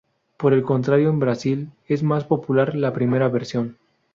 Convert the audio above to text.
Por el contrario en Brasil es más popular la primera versión.